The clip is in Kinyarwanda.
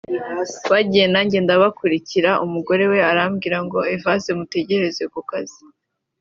bagiye nanjye ndabakurikira umugore we arambwira ngo Evase mutegereze ku kazi